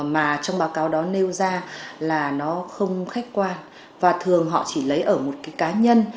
mà trong báo cáo đó nêu ra là nó không khách quan và thường họ chỉ lấy ở một cái cá nhân